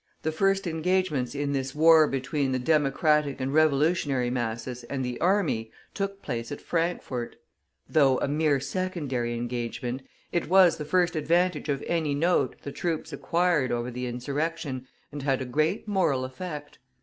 The first engagements in this war between the democratic and revolutionary masses and the army took place at Frankfort. Though a mere secondary engagement, it was the first advantage of any note the troops acquired over the insurrection, and had a great moral effect.